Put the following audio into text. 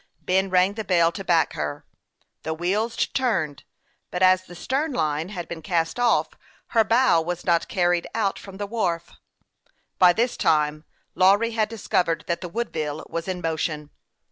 Ben rang the bell to back her ; the wheels turned, but as the stern line had been cast off, her bow was not carried out from the wharf. By this time Lawry had discovered that the Woodville was in motion.